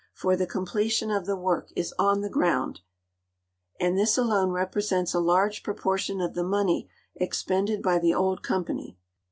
for the comple tion of the v'ork is on the ground, and this alone represents a large proportion of the money expended hy the old company.